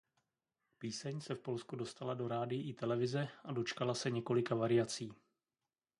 Píseň se v Polsku dostala do rádií i televize a dočkala se několika variací.